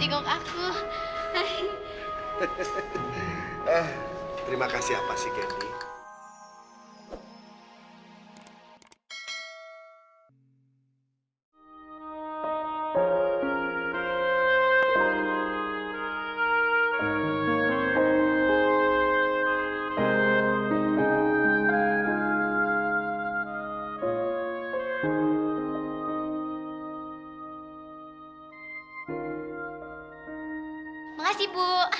terima kasih ibu